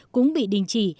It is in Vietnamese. cũng bị đình chỉ